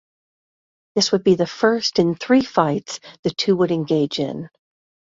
This would be the first of three fights the two would engage in.